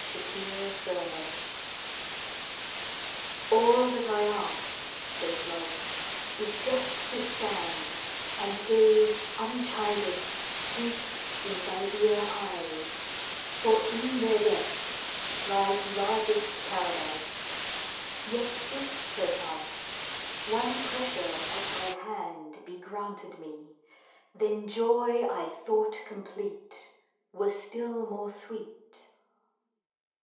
ALL THAT LOVE ASKS "All that I ask," says Love, "is just to stand And gaze, unchided, deep in thy dear eyes; For in their depths lies largest Paradise. Yet, if perchance one pressure of thy hand Be granted me, then joy I thought complete Were still more sweet.